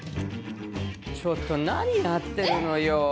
ちょっと何やってるのよ。